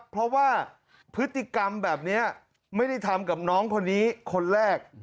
เพราะว่าพฤติกรรมแบบนี้ไม่ได้ทำกับน้องคนนี้คนแรก